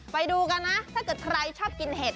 ไปดูกันนะถ้าเกิดใครชอบกินเห็ด